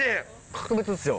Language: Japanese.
格別っすよ。